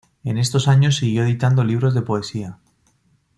En estos años siguió editando libros de poesía.